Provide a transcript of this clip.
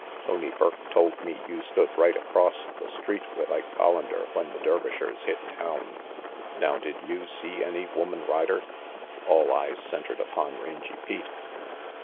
"Tony Burke told me you stood right across the street with Ike Collander when the Dervishers hit town. Now did you see any woman rider?" All eyes centered upon Rangy Pete.